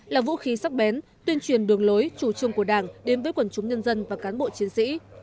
là vũ khí sắc bén tuyên truyền đường lối chủ trương của đảng đến với quần chúng nhân dân và cán bộ chiến sĩ